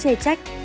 thì đáng chê trách